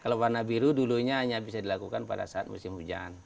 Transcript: kalau warna biru dulunya hanya bisa dilakukan pada saat musim hujan